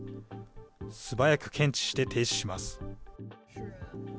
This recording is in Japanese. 素早く検知して停止します。